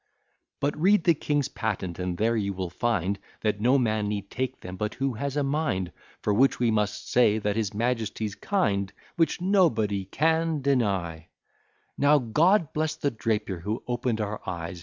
But read the king's patent, and there you will find, That no man need take them, but who has a mind, For which we must say that his Majesty's kind. Which, &c. Now God bless the Drapier who open'd our eyes!